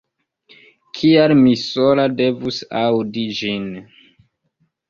Kial mi sola devus aŭdi ĝin?